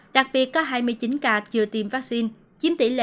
đặc biệt có hai mươi chín ca chưa tiêm vaccine chiếm tỷ lệ năm mươi bốn bảy mươi hai